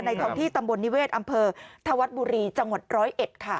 ท้องที่ตำบลนิเวศอำเภอธวัดบุรีจังหวัดร้อยเอ็ดค่ะ